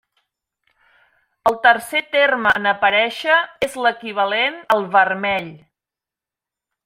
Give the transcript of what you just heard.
El tercer terme en aparèixer és l'equivalent al vermell.